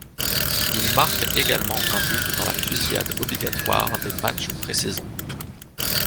Il marque également un but dans la fusillade obligatoire des matchs pré-saison.